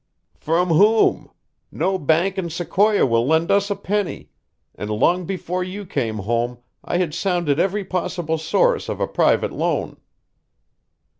"From whom? No bank in Sequoia will lend us a penny, and long before you came home I had sounded every possible source of a private loan."